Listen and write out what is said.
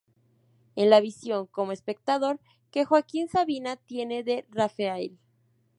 Es la visión, como espectador, que Joaquín Sabina tiene de Raphael.